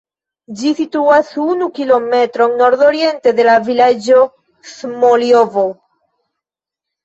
Ĝi situas unu kilometron nordoriente de la vilaĝo Smoljovo.